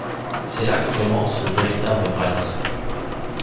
C’est là que commence le véritable rallye.